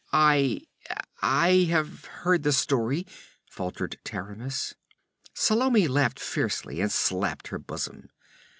'I I have heard the story ' faltered Taramis. Salome laughed fiercely, and slapped her bosom.